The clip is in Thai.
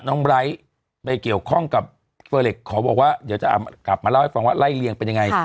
ไบร์ทไปเกี่ยวข้องกับเฟอร์เล็กขอบอกว่าเดี๋ยวจะกลับมาเล่าให้ฟังว่าไล่เลียงเป็นยังไง